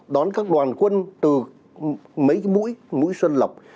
đón các đoàn quân từ mấy cái mũi mũi xuân lộc